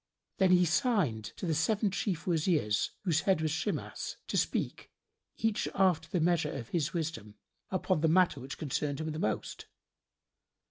Then he signed to the seven chief Wazirs, whose head was Shimas, to speak, each after the measure of his wisdom, upon the matter which concerned him the most.